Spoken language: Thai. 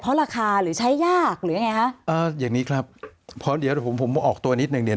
เพราะราคาหรือใช้ยากหรือยังไงฮะอ่าอย่างนี้ครับเพราะเดี๋ยวผมผมออกตัวนิดหนึ่งเดี๋ยว